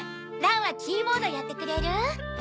蘭はキーボードやってくれる？